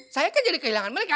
saya kan jadi kehilangan mereka